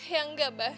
ya enggak bah